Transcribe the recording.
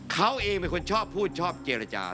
เขาเองเป็นคนชอบพูดชอบเจรจา